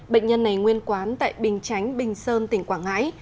bệnh nhân này nguyên quán tại bình chánh bình sơn tỉnh quảng ngãi